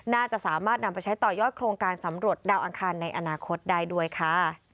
น่าจะสามารถนำไปใช้ต่อยอดโครงการสำรวจดาวอังคารในอนาคตได้ด้วยค่ะ